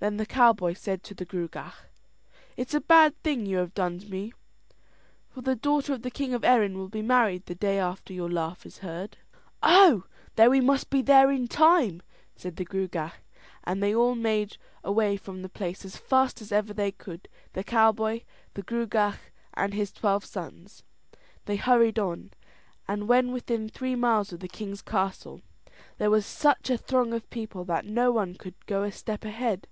Then the cowboy said to the Gruagach: "It's a bad thing you have done to me, for the daughter of the king of Erin will be married the day after your laugh is heard." "Oh! then we must be there in time," said the Gruagach; and they all made away from the place as fast as ever they could, the cowboy, the Gruagach, and his twelve sons. They hurried on; and when within three miles of the king's castle there was such a throng of people that no one could go a step ahead.